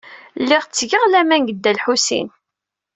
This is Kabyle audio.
Lliɣ ttgeɣ laman deg Dda Lḥusin.